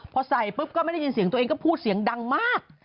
พอใส่ปุ๊บก็ไม่ได้ยินเสียงตัวเองก็พูดเสียงดังมาก